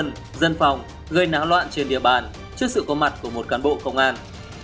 nhóm người mặc áo dân quân dân phòng gây ná loạn trên địa bàn trước sự có mặt của một cán bộ công an